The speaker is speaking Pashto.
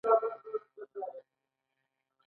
دوی د پټرولو په استخراج کې کار کوي.